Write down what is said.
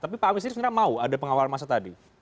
tapi pak amin sendiri sebenarnya mau ada pengawalan masa tadi